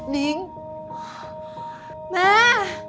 นิ้งแม่